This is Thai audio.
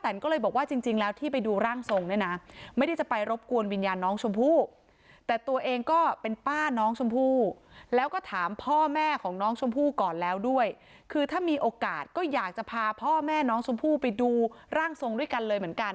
แตนก็เลยบอกว่าจริงแล้วที่ไปดูร่างทรงเนี่ยนะไม่ได้จะไปรบกวนวิญญาณน้องชมพู่แต่ตัวเองก็เป็นป้าน้องชมพู่แล้วก็ถามพ่อแม่ของน้องชมพู่ก่อนแล้วด้วยคือถ้ามีโอกาสก็อยากจะพาพ่อแม่น้องชมพู่ไปดูร่างทรงด้วยกันเลยเหมือนกัน